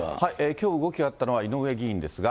きょう動きがあったのは、井上議員ですが。